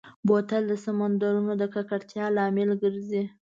بوتل د سمندرونو د ککړتیا لامل ګرځي.